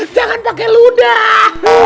jangan pakai luka